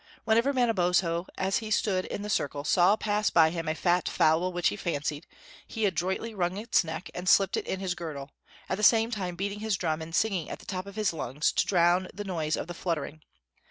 Whenever Manabozho, as he stood in the circle, saw pass by him a fat fowl which he fancied, he adroitly wrung its neck and slipped it in his girdle, at the same time beating his drum and singing at the top of his lungs to drown the noise of the fluttering.